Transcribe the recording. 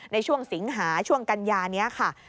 ในช่วงสิงหาช่วงกัญญานี้ค่ะ